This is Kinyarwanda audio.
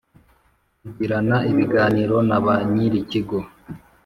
Kugirana ibiganiro na ba Nyir ikigo